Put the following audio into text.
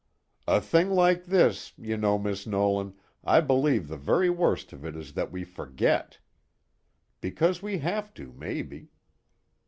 "A thing like this you know, Miss Nolan, I believe the very worst of it is that we forget. Because we have to, maybe.